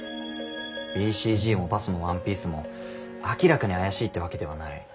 ＢＣＧもバスもワンピースも明らかに怪しいってわけではない。